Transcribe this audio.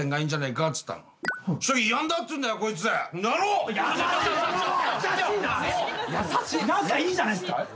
仲いいじゃないっすか。